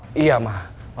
mama mau beritahu mama